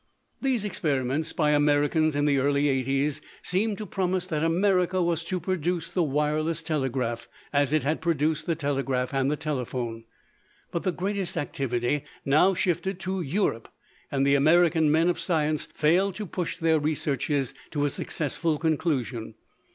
These experiments by Americans in the early 'eighties seemed to promise that America was to produce the wireless telegraph, as it had produced the telegraph and the telephone. But the greatest activity now shifted to Europe and the American men of science failed to push their researches to a successful conclusion.